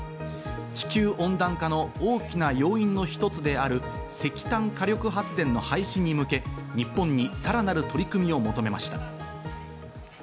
地球温暖化の大きな要因の一つである石炭火力発電の廃止に向け、日本にさらなる取り組みを求めました。